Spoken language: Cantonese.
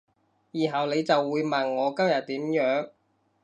然後你就會問我今日點樣